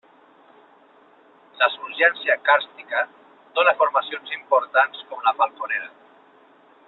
La surgència càrstica dóna formacions importants com la Falconera.